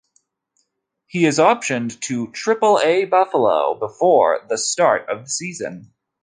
He was optioned to Triple-A Buffalo before the start of the season.